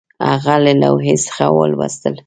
هغه له لوحې څخه ولوستل